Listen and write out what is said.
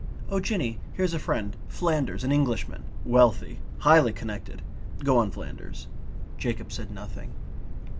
"Oh Jinny, here's a friend. Flanders. An Englishman. Wealthy. Highly connected. Go on, Flanders...." Jacob said nothing.